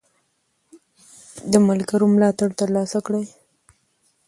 د ملګرو ملاتړ ترلاسه کړئ.